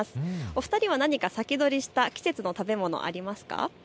２人は何か先取りした季節の食べ物ありますか。